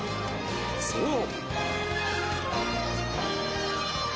そう。